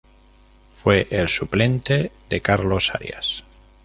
Fue el suplente de Carlos Arias.